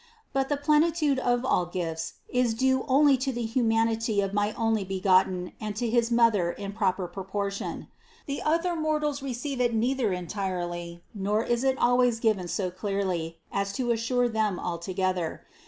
But the plenitude of all gifts is due only to the humanity of my Onlybegotten and to his Mother in proper proportion. The other mortals receive it neither entirely, nor is it always given so clearly, as to assure them altogether.